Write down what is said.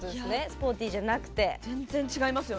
スポーティーじゃなくて。